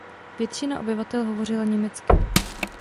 Většina obyvatel hovořila německy.